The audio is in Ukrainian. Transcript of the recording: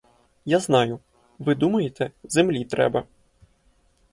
Я знаю, ви думаєте, землі треба.